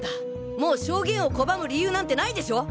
もう証言を拒む理由なんてないでしょ！？